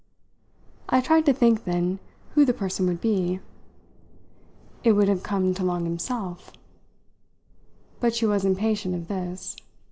I tried to think then who the person would be. "It would have come to Long himself?" But she was impatient of this.